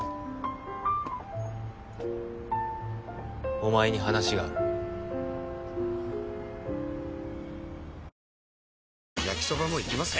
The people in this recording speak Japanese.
お前に話がある焼きソバもいきます？